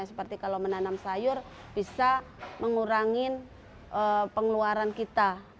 seperti kalau menanam sayur bisa mengurangi pengeluaran kita